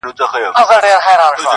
o د نارينه خبره يوه وي.